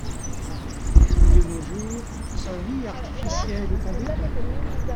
De nos jours, son lit artificiel est en béton.